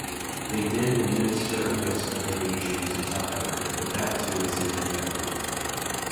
They then administer a dose of radiation to Tucker, but that too is ineffective.